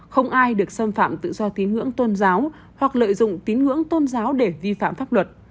không ai được xâm phạm tự do tín ngưỡng tôn giáo hoặc lợi dụng tín ngưỡng tôn giáo để vi phạm pháp luật